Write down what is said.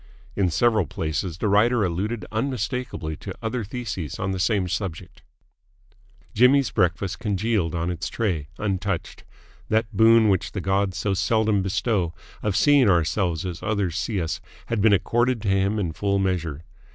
In several places the writer alluded unmistakeably to other theses on the same subject. Jimmy's breakfast congealed on its tray, untouched. That boon which the gods so seldom bestow, of seeing ourselves as others see us, had been accorded to him in full measure.